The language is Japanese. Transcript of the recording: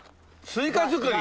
スイカ作り。